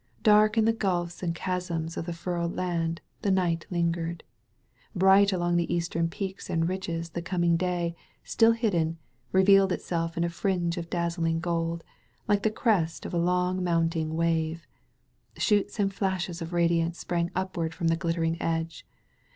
Dark in the gulfs and chasms of the furrowed land the night lingered. Bright along the eastern peaks and ridges the coming day, still hidden, revealed itself in a fringe of dazzling gold, like the crest of a long mountiQ: wave. Shoots and flashes of radiance sprang upward from the glittering edge.